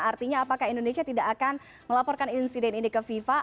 artinya apakah indonesia tidak akan melaporkan insiden ini ke fifa